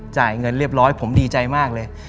จ่ายเงินเรียบร้อยผมดีใจมากเลย